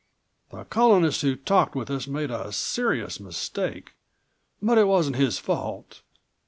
The Colonist who talked with us made a serious mistake, but it wasn't his fault.